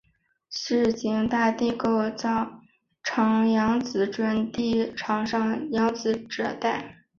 市境大地构造属扬子准地台上扬子台褶带。